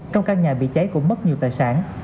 trong căn nhà bị cháy cũng mất nhiều tài sản